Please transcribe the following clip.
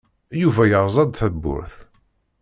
Yuba yerẓa-d tawwurt.